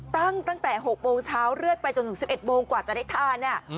ตั้งแต่๖โมงเช้าเรื่อยไปจนถึง๑๑โมงกว่าจะได้ทาน